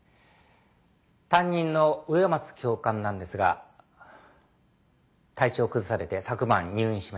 担任の植松教官なんですが体調を崩されて昨晩入院しました。